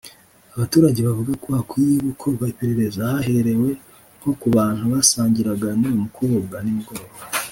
Abaturage bavuga ko hakwiye gukorwa iperereza haherewe nko ku bantu basangiraga n’uyu mukobwa nimugoroba